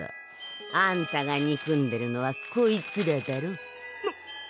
あんたがにくんでるのはこいつらだろう？うっ！